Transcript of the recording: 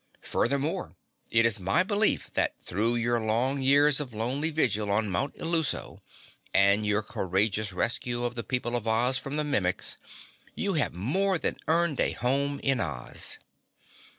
"Furthermore it is my belief that through your long years of lonely vigil on Mount Illuso, and your courageous rescue of the people of Oz from the Mimics, you have more than earned a home in Oz."